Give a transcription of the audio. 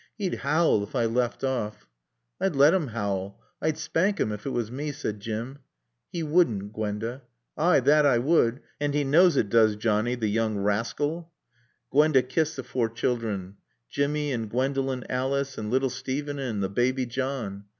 He'd howl if I left off." "I'd let 'im howl. I'd spank him ef 'twas me," said Jim. "He wouldn't, Gwenda." "Ay, thot I would. An' 'e knows it, doos Johnny, t' yoong rascal." Gwenda kissed the four children; Jimmy, and Gwendolen Alice, and little Steven and the baby John.